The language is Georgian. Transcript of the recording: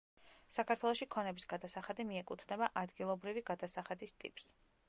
საქართველოში ქონების გადასახადი მიეკუთვნება „ადგილობრივი გადასახადის“ ტიპს.